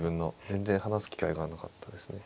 全然話す機会がなかったですね。